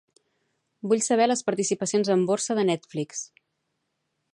Vull saber les participacions en borsa de Netflix.